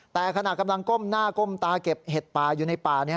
แต่ขณะกำลังก้มหน้าก้มตาเก็บเห็ดป่าอยู่ในป่า